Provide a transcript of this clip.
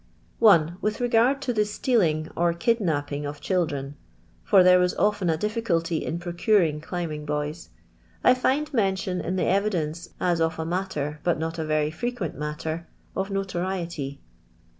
With regard to the tfeiUinff or kidnapping of children — for there was (»ften a difficulty in procuring climbing boys — I find mention in the evidence, as of a matter, but not a very frequent matter, of notoriety.